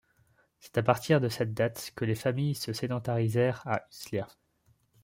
C'est à partir de cette date que les familles se sédentarisèrent à Huslia.